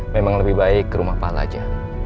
memang lebih baik ke rumah pak laja